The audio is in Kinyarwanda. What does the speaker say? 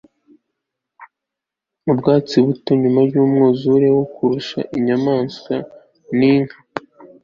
ubwatsi buto nyuma yumwuzure wo kurisha inyamanswa ninka